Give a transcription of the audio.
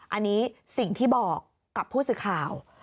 อันนี้สิ่งที่บอกกับผู้สื่อข่าว